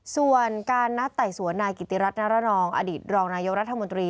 ส่วนการนัดไต่สวนนายกิติรัฐนรนองอดีตรองนายกรัฐมนตรี